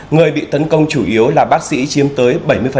người bị tấn công chủ yếu là bác sĩ chiếm tới bảy mươi